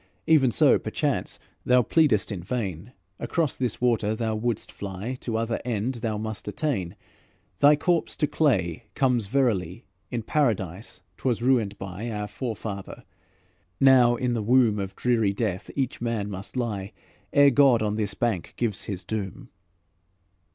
Even so, perchance, thou pleadest in vain. Across this water thou wouldst fly, To other end thou must attain. Thy corpse to clay comes verily, In Paradise 't was ruined by Our forefather. Now in the womb Of dreary death each man must lie, Ere God on this bank gives his doom."